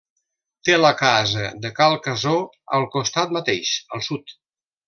Té la casa de Cal Casó al costat mateix, al sud.